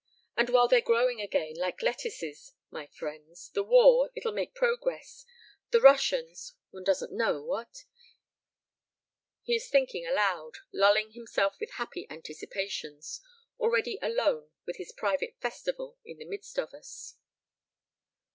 And while they're growing again like lettuces, my friends, the war, it'll make progress the Russians one doesn't know, what?" He is thinking aloud, lulling himself with happy anticipations, already alone with his private festival in the midst of us.